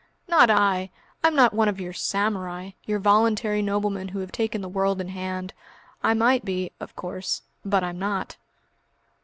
"Not I! I'm not one of your samurai, your voluntary noblemen who have taken the world in hand. I might be, of course, but I'm not."